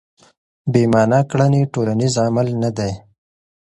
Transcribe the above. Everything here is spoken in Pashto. بې مانا کړنې ټولنیز عمل نه دی.